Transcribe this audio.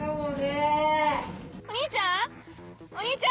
お兄ちゃん！